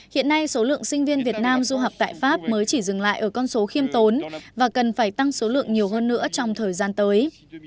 hiện nay số lượng sinh viên việt nam du học tại pháp mới chỉ dừng lại ở con số khiêm tốn và cần phải tăng số lượng nhiều hơn nữa trong thời gian tới